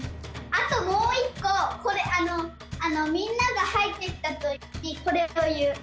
あともう１ここれあのみんながはいってきたときこれをいう。